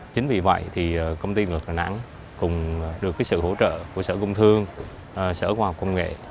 chính vì vậy công ty nguyệt hà nẵng cùng được sự hỗ trợ của sở công thương sở hoa học công nghệ